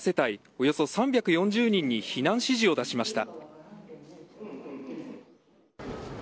およそ３４０人に避難指示を出しました。